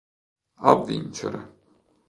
A vincere.